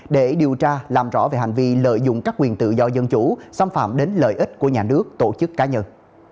để điều tra làm rõ về hành vi lợi dụng các quyền tự do dân chủ xâm phạm đến lợi ích của nhà nước tổ chức cá nhân